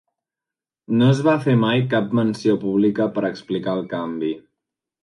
No es va fer mai cap menció pública per explicar el canvi.